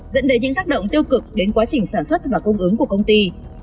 dẫn đến những tác động tiêu cực đến quá trình sản xuất và cung ứng của công ty